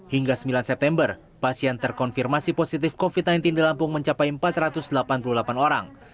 hingga sembilan september pasien terkonfirmasi positif covid sembilan belas di lampung mencapai empat ratus delapan puluh delapan orang